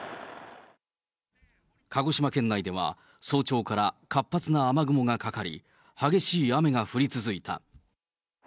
鹿児島県内では早朝から活発な雨雲がかかり、激しい雨が降り続いた。